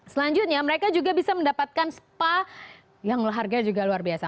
selanjutnya mereka juga bisa mendapatkan spa yang harganya juga luar biasa